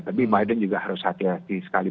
tapi biden juga harus hati hati sekali